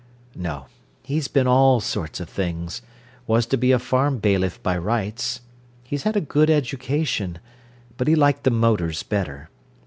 No, he's been all sorts of things: was to be a farm bailiff by rights. He's had a good education but he liked the motors better.